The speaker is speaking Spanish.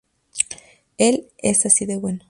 Él es así de bueno.